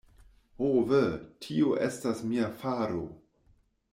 Ho ve, tio estas mia faro!